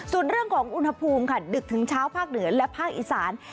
ส่วนเรื่องของอุณหภูมิค่ะดึกถึงเช้าภาคเหนือและภาคอีสาน